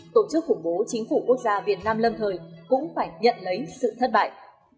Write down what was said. tổ chức khủng bố chính phủ quốc gia việt nam lâm thời cũng phải nhận lấy sự thất bại